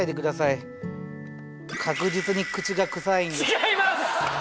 違います！